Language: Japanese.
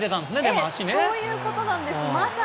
そういうことなんです。